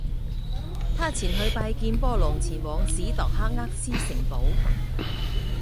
他前去拜见波隆前往史铎克渥斯城堡。